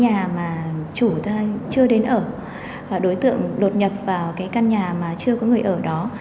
những cái nhà mà chủ chưa đến ở đối tượng đột nhập vào cái căn nhà mà chưa có người ở đó